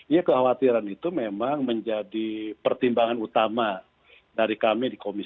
ya kekhawatiran itu memang menjadi pertimbangan utama dari kami di komisi satu